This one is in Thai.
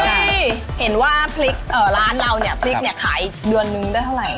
พี่เห็นว่าพริกร้านเราเนี่ยพริกเนี่ยขายเดือนนึงได้เท่าไหร่